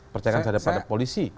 percayakan saja kepada polisi